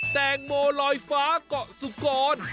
แตงโมลอยฟ้าเกาะสุกร